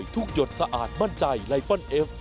ถามตรง